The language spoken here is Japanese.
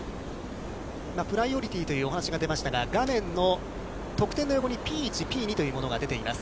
プライオリティーというお話が出ましたが、画面の得点の横にＰ１、Ｐ２というものが出ています。